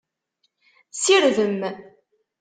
Sirdem!